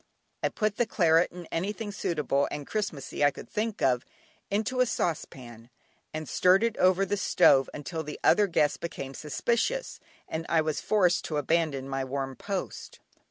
I put the claret, and anything suitable and "Christmassy," I could think of, into a saucepan, and stirred it over the stove until the other guests became suspicious, and I was forced to abandon my warm post.